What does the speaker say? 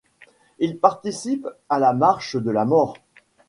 Il participe à la marche de la mort.